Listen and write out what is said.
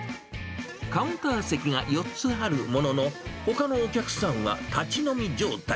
カウンター席が４つあるものの、ほかのお客さんは立ち飲み状態。